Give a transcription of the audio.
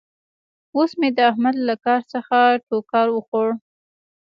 اوس مې د احمد له کار څخه ټوکار وخوړ.